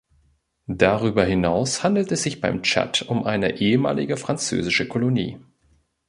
Darüber hinaus handelt es sich beim Tschad um eine ehemalige französische Kolonie.